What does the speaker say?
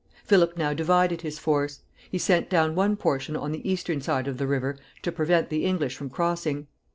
Philip now divided his force. He sent down one portion on the eastern side of the river to prevent the English from crossing.